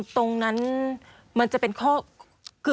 ตรงนั้นมันจะเป็นข้อคือ